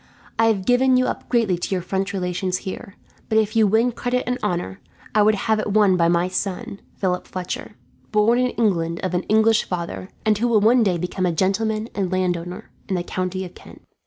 I have given you up greatly to your French relations here; but if you win credit and honour, I would have it won by my son, Philip Fletcher, born in England of an English father, and who will one day be a gentleman and landowner in the county of Kent."